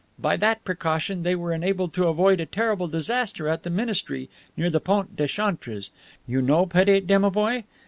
By that precaution they were enabled to avoid a terrible disaster at the Ministry near the Pont des chantres, you know, petit demovoi?